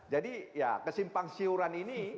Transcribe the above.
jadi kesimpang siuran ini